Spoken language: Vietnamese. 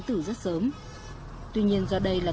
tử rất sớm tuy nhiên do đây là